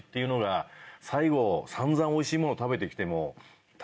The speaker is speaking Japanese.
散々おいしいもの食べて来ても。